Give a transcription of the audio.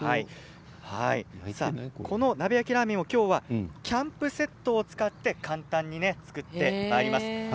この鍋焼きラーメンを、今日はキャンプセットを使って簡単に作ってまいります。